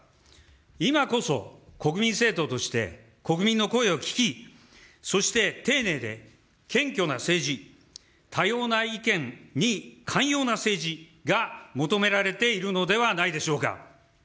今こそ国民政党として国民の声を聞き、そして丁寧で謙虚な政治、多様な意見に寛容な政治が求められているのではないでしょうか。